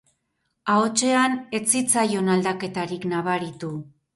Ahotsean ez zitzaion aldaketarik nabaritu.